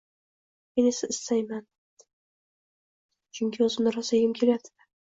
Men esa qistayman, chunki o’zimni rosa yegim kelyapti-da.